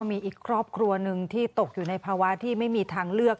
มีอีกครอบครัวหนึ่งที่ตกอยู่ในภาวะที่ไม่มีทางเลือก